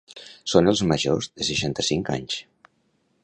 Són els majors de seixanta-cinc anys.